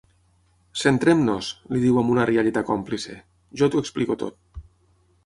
Centrem-nos! —li diu amb una rialleta còmplice— Jo t'ho explico tot,